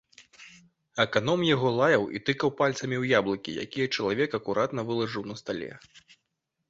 Аканом яго лаяў і тыкаў пальцамі ў яблыкі, якія чалавек акуратна вылажыў на стале.